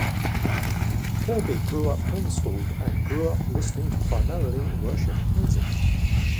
Kirby grew up homeschooled and grew up listening to primarily worship music.